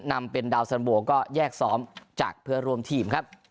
นำเป็นดาวสันโบก็แยกซ้อมจากเพื่อรวมทีมครับ